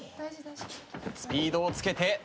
スピードをつけて。